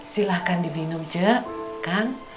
silahkan dibinum je kang